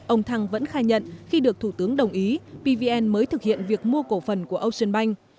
ông thăng vẫn khai nhận khi được thủ tướng đồng ý pvn mới thực hiện việc mua cổ phần của ocean bank